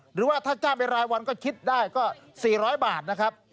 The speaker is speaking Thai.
หรือว่าถ้าจ้างไปรายวันก็คิดได้ก็๔๐๐บาทนะครับ